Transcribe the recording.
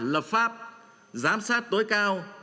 lập pháp giám sát tối cao